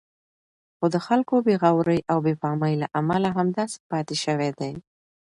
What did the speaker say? خو د خلکو بې غورئ او بې پامۍ له امله همداسې پاتې شوی دی.